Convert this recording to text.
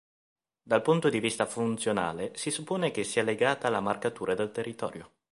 Dal punto di vista funzionale, si suppone che sia legata alla marcatura del territorio.